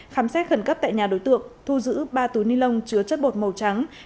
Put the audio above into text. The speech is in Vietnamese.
khám xét khẩn cấp tại nhà đối tượng thu giữ ba túi ni lông chứa chất bột màu trắng